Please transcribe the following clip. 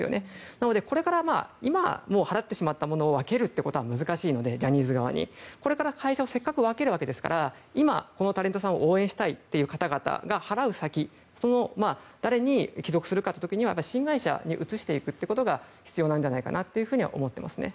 なのでもう払ってしまったことをジャニーズ側に分けるということは難しいのでこれから会社をせっかく分けるわけですから今、このタレントさんを応援したいという方々が払う先誰に帰属するかといった時には新会社に移していくことが必要なんじゃないかと思います。